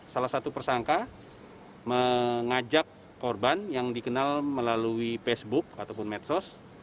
salah satu tersangka mengajak korban yang dikenal melalui facebook ataupun medsos